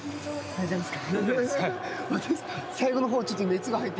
大丈夫です。